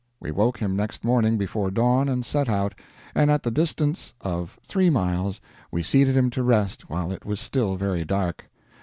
We woke him next morning before dawn and set out, and at the distance of three miles we seated him to rest while it was still very dark.